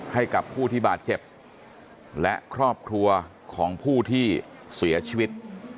ให้กับผู้ที่บาดเจ็บและครอบครัวของผู้ที่เสียชีวิต